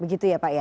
begitu ya pak ya